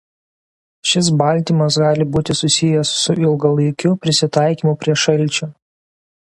Šis baltymas gali būti susijęs su ilgalaikiu prisitaikymu prie šalčio.